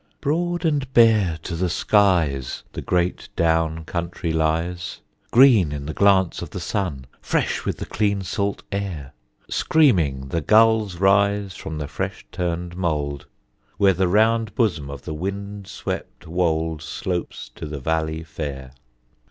Broad and bare to the skies The great Down country lies, Green in the glance of the sun, Fresh with the clean salt air; Screaming the gulls rise from the fresh turned mould, Where the round bosom of the wind swept wold Slopes to the valley fair.